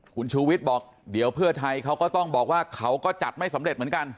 คุณชูวิทย์บอกเดี๋ยวเพื่อไทยเขาก็ต้องบอกว่าเขาก็จัดไม่สำเร็จเหมือนกัน